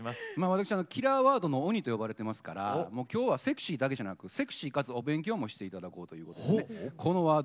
私キラーワードの鬼と呼ばれてますから今日はセクシーだけじゃなくセクシーかつお勉強もしていただこうということでねこのワードを選びました。